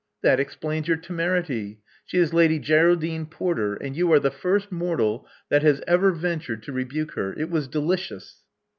That explains your temerity. She is Lady Geraldine Porter; and you are the first mortal that ever ventured to rebuke her. It was delicious.